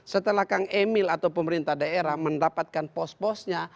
setelah kang emil atau pemerintah daerah mendapatkan pos posnya